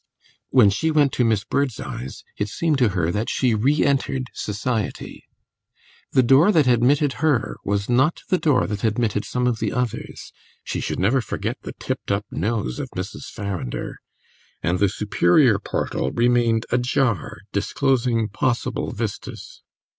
When she went to Miss Birdseye's it seemed to her that she re entered society. The door that admitted her was not the door that admitted some of the others (she should never forget the tipped up nose of Mrs. Farrinder), and the superior portal remained ajar, disclosing possible vistas.